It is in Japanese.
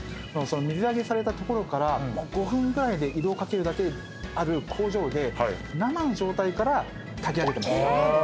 水揚げされたところから５分ぐらいである工場で生の状態から炊き上げてます。